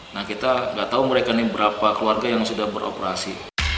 nah kita nggak tahu mereka ini berapa keluarga yang sudah beroperasi